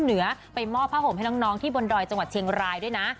เหนือไปมอบผ้าห่มให้น้องที่บนดอยจังหวัดเชียงรายด้วยนะ